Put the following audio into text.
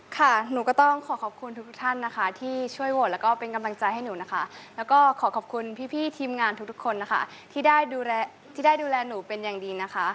ค่ะหนูก็ต้องขอขอบคุณทุกท่านนะคะที่ช่วยโหวตแล้วก็เป็นกำลังใจให้หนูนะคะแล้วก็ขอขอบคุณพี่ทีมงานทุกคนนะคะที่ได้ดูแลที่ได้ดูแลหนูเป็นอย่างดีนะคะ